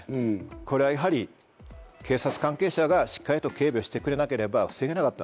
これは警察関係者がしっかりと警備をしてくれなければ防げなかった。